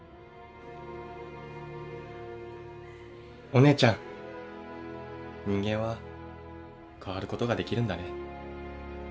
お姉ちゃん人間は変わることができるんだね。